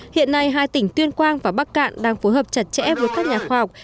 hiện nay hai tỉnh tuyên quang và bắc cạn đang phối hợp chặt chẽ với các nhà khoa học